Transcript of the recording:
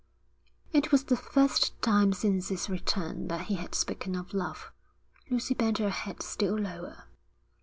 It was the first time since his return that he had spoken of love. Lucy bent her head still lower.